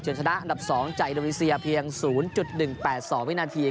เฉินชนะอันดับ๒ใจดวิทยาเพียง๐๑๘๒วินาที